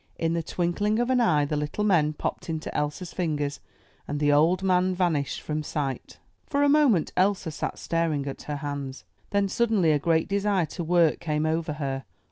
*' In the twinkling of an eye the little men popped into Elsa's fingers, and the old man vanished from sight. For a moment Elsa sat staring at her hands. Then suddenly a great desire to work came over her.